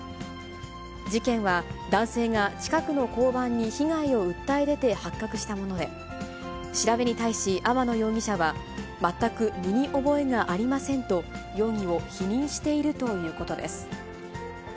事件は、男性が近くの交番に被害を訴え出て発覚したもので、調べに対し、天野容疑者は、全く身に覚えがありませんと容疑を否認しているということです。